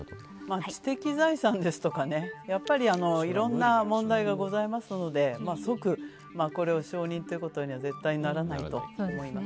知的財産ですとか、いろんな問題がございますので即これを承認ということには絶対ならないと思います。